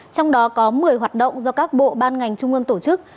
trong đó có một mươi hoạt động do các bộ ban ngành trung ương tổ chức